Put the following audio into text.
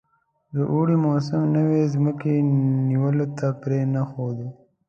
د اوړي موسم نوي مځکې نیولو ته پرې نه ښود.